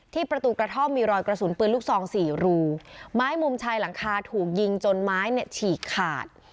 ประตูกระท่อมมีรอยกระสุนปืนลูกซองสี่รูไม้มุมชายหลังคาถูกยิงจนไม้เนี่ยฉีกขาด